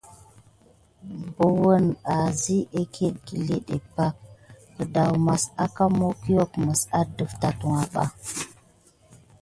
Bəwəne awzi akét binéŋɗé pak, kədawmas aka mécgok məs adəf tatuwa ɓa.